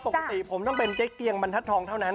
ปกติผมต้องเป็นเจ๊เกียงบรรทัศนทองเท่านั้น